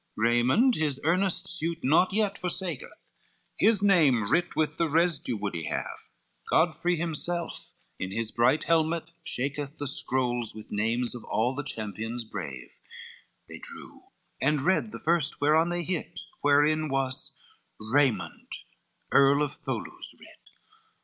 Raymond his earnest suit not yet forsaketh, His name writ with the residue would he have, Godfrey himself in his bright helmet shaketh The scrolls, with names of all the champions brave: They drew, and read the first whereon they hit, Wherein was "Raymond, Earl of Tholouse," writ.